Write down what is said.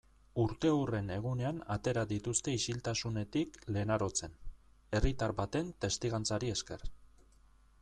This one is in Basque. Urteurren egunean atera dituzte isiltasunetik Lenarotzen, herritar baten testigantzari esker.